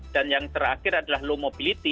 yang terakhir adalah low mobility